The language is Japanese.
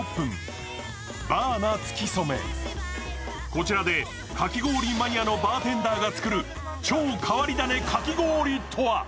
こちらでかき氷マニアのバーテンダーが作る超変わり種かき氷とは？